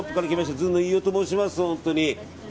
ずんの飯尾と申します、本当に。